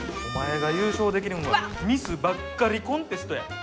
お前が優勝できるんはミスばっかりコンテストや。